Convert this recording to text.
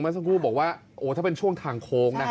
เมื่อสักครู่บอกว่าโอ้ถ้าเป็นช่วงทางคลอง